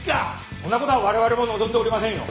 そんな事は我々も望んでおりませんよ。